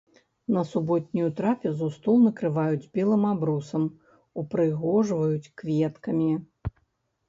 На суботнюю трапезу стол накрываюць белым абрусам, упрыгожваюць кветкамі.